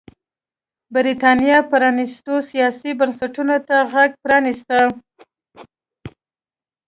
برېټانیا پرانيستو سیاسي بنسټونو ته غېږ پرانېسته.